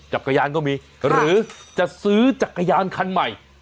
จักรยานก็มีหรือจะซื้อจักรยานคันใหม่